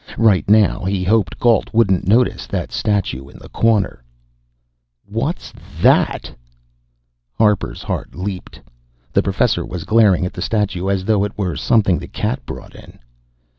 Right now, he hoped Gault wouldn't notice that statue in the corner "What's that!" Harper's heart leaped. The Professor was glaring at the statue, as though it were something the cat brought in.